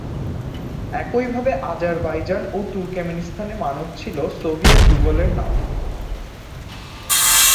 একইভাবে আজারবাইজান ও তুর্কমেনিস্তানে 'মানত' ছিল সোভিয়েত রুবলের নাম।